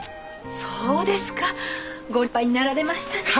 そうですか。ご立派になられましたね。